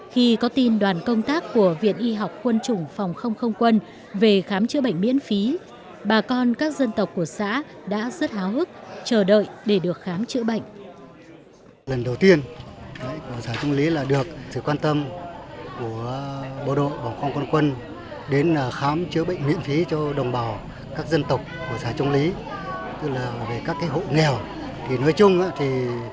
chủ cán bộ y bác sĩ viện y học phòng không không quân đã vượt núi băng ngàn ngược dòng sông mã về khám sức khỏe và cấp thuốc điều trị cho đồng bào các dân tộc của huyện mường lát tỉnh thanh hóa